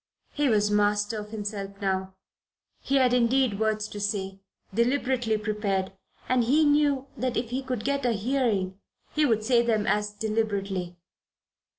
He was master of himself now. He had indeed words to say, deliberately prepared, and he knew that if he could get a hearing he would say them as deliberately.